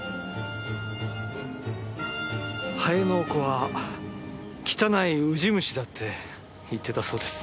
「ハエの子は汚いウジ虫だ」って言ってたそうです。